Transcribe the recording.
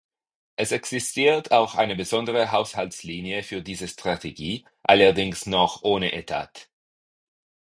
Es existiert auch eine besondere Haushaltslinie für diese Strategie, allerdings noch ohne Etat.